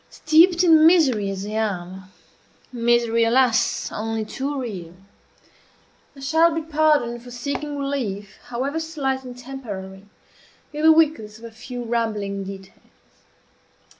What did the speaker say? Steeped in misery as I am misery, alas! only too real I shall be pardoned for seeking relief, however slight and temporary, in the weakness of a few rambling details.